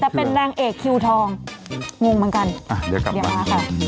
แต่เป็นนางเอกคิวทองงงเหมือนกันเดี๋ยวกลับมาก่อน